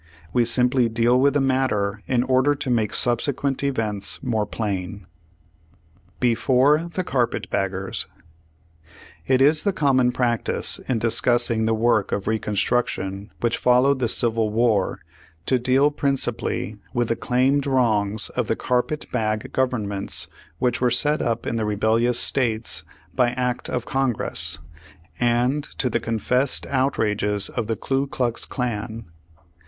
We simply deal with the matter in order to make subsequent events more plain. BEFOKE THE '^CARPET BAGGERS" It is the common practice in discussing the work of Reconstruction which followed the Civil War, to deal principally with the claimed wrongs of the *'Carpet bag Governments" which were set up in the rebellious states by act of Congress, and to the confessed outrages of the Klu Klux Klan.